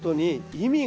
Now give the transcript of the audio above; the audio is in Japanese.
意味？